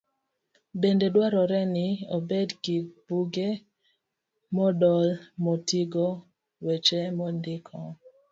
Bende dwarore ni obed gi buge modol moting'o weche mondiki.